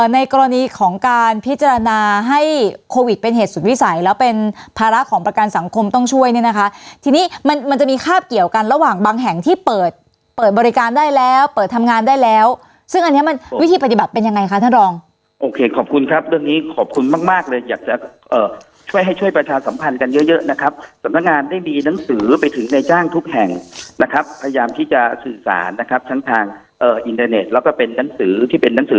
ในกรณีของการพิจารณาให้โควิดเป็นเหตุสุดวิสัยแล้วเป็นภาระของประการสังคมต้องช่วยเนี่ยนะคะทีนี้มันจะมีคาบเกี่ยวกันระหว่างบางแห่งที่เปิดบริการได้แล้วเปิดทำงานได้แล้วซึ่งอันนี้มันวิธีปฏิบัติเป็นยังไงคะท่านรองโอเคขอบคุณครับเรื่องนี้ขอบคุณมากเลยอยากจะช่วยให้ช่วยประชาสัมพันธ์กันเยอะ